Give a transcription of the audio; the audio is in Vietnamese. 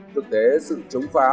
thực tế sự chống phá